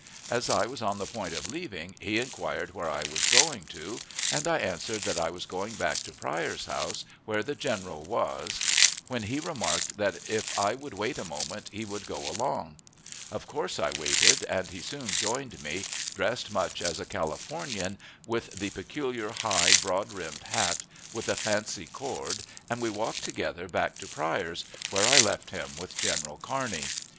As I was on the point of leaving, he inquired where I was going to, and I answered that I was going back to Pryor's house, where the general was, when he remarked that if I would wait a moment he would go along. Of course I waited, and he soon joined me, dressed much as a Californian, with the peculiar high, broad brimmed hat, with a fancy cord, and we walked together back to Pryor's, where I left him with General Kearney.